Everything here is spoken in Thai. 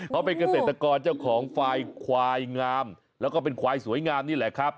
เขาเป็นเกษตรกรเจ้าของควายควายงามแล้วก็เป็นควายสวยงามนี่แหละครับ